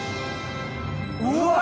うわ！